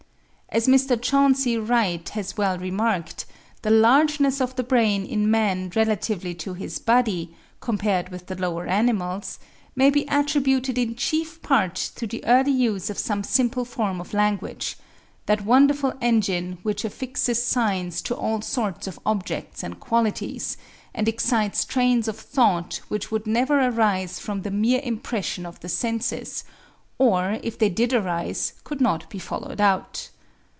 As Mr. Chauncey Wright (1. 'On the Limits of Natural Selection,' in the 'North American Review,' Oct. 1870, p. 295.) has well remarked, the largeness of the brain in man relatively to his body, compared with the lower animals, may be attributed in chief part to the early use of some simple form of language,—that wonderful engine which affixes signs to all sorts of objects and qualities, and excites trains of thought which would never arise from the mere impression of the senses, or if they did arise could not be followed out.